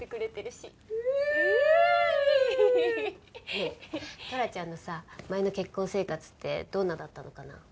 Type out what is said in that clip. ねえトラちゃんのさ前の結婚生活ってどんなだったのかな？